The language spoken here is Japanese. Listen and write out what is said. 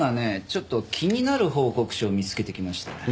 ちょっと気になる報告書を見つけてきましてね。